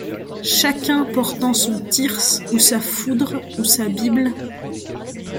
Chacun portant son thyrse, ou sa foudre, ou sa bible